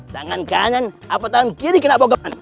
tangan kanan apa tangan kiri kena bogor